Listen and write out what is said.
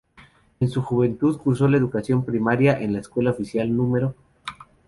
En su juventud curso la educación primaria en la escuela oficial No.